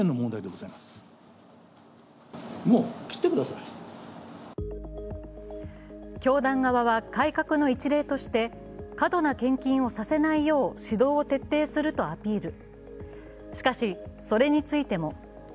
更に教団側は改革の一例として過度な献金をさせないよう指導を徹底するとアピール。